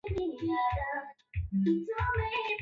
Vilikuwa vijiji mia moja sitini na nane